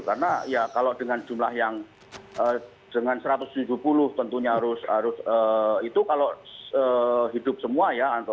karena ya kalau dengan jumlah yang dengan satu ratus tujuh puluh tentunya harus itu kalau hidup semua ya